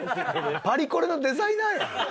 パリコレのデザイナーや。